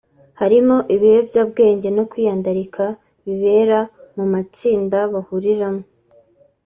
harimo ibiyobyabwenge no kwiyandarika bibera mu matsinda bahuriramo